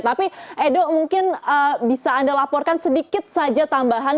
tapi edo mungkin bisa anda laporkan sedikit saja tambahan